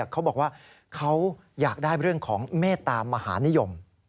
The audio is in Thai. เขาบอกว่าเขาอยากได้เรื่องของเมตตามหานิยม